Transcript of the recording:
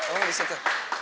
oh di situ